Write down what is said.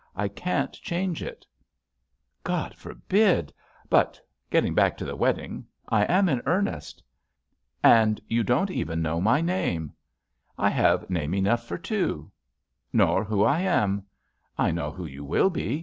I can't change it." JUST SWEETHEARTS "God forbid 1 But — getting back to the wedding — I am in earnest." *And you don't know even my namel" *I have name enough for two." '*Nor who I am." '*I know who you will be.